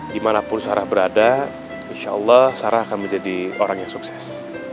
dimanapun sarah berada insya allah sarah akan menjadi orang yang sukses